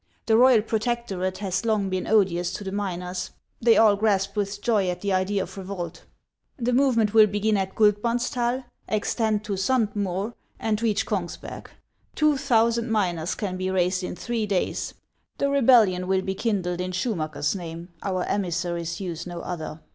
The royal protectorate has long been odious to the miners ; they all grasped with joy at the idea of revolt. The movement will begin at Guldbrandsdal, extend to Suud Moer, and reach Kougsberg. Two thousand miners can be raised in three days. The rebellion will be kindled in Schumacker's name ; our emissaries use no other.